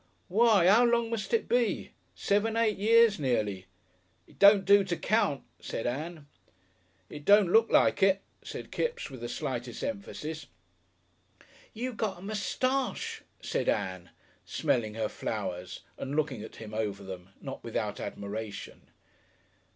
Why, 'ow long must it be? Seven eight years nearly." "It don't do to count," said Ann. "It don't look like it," said Kipps, with the slightest emphasis. "You got a moustache," said Ann, smelling her flowers and looking at him over them, not without admiration.